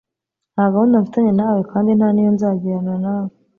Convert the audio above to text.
ntagahunda mfitanye nawe kandi ntaniyo nzagirana nawe